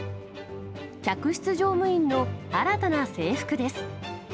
客室乗務員の新たな制服です。